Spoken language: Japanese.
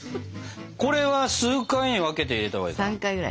これは数回に分けて入れたほうがいいかな？